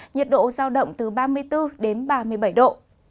nhiệt độ giao động từ ba mươi bốn đến ba mươi bảy độ